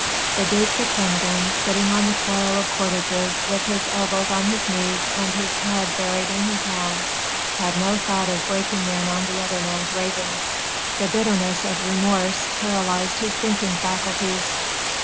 The duc de Kernogan, sitting on the coil of cordages with his elbows on his knees and his head buried in his hands, had no thought of breaking in on the other man's ravings. The bitterness of remorse paralysed his thinking faculties.